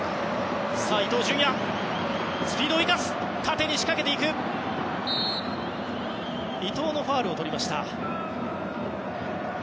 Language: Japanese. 伊東純也、スピードを生かして縦に仕掛けていったがここは伊東のファウルをとりました。